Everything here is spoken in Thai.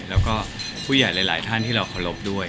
แล้วก็ผู้ใหญ่หลายท่านที่เราเคารพด้วย